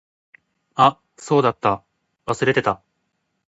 あ、そうだった。忘れてた。